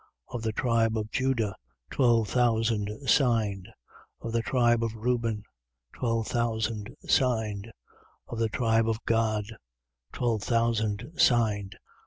7:5. Of the tribe of Juda, twelve thousand signed: Of the tribe of Ruben, twelve thousand signed: Of the tribe of Gad, twelve thousand signed: 7:6.